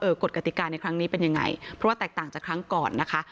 กฎกติกาในครั้งนี้เป็นยังไงเพราะว่าแตกต่างจากครั้งก่อนนะคะ